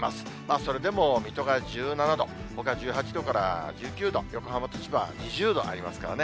それでも水戸が１７度、ほか１８度から１９度、横浜と千葉、２０度ありますからね。